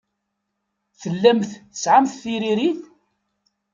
Tellamt tesɛamt tiririt?